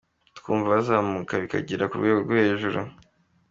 Twumva byazamuka bikagera ku rwego rw’igihugu.